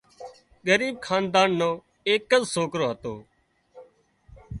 ڳريٻ حاندان نو ايڪز سوڪرو هتو